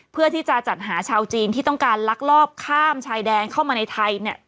เพื่อที่จะจัดหาชาวจีนที่ต้องการลักลอบข้ามชายแดนเข้ามาในไทยเนี่ย